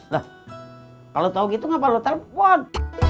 lah kalau tahu gitu gak perlu telepon